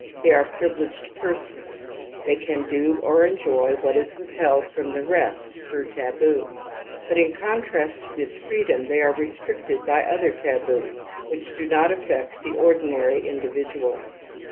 They are privileged persons, they can do or enjoy what is withheld^ from the rest through taboo. But in contrast ' to this freedom they are restricted by other taboos which do "Hot affect the ordinary individual.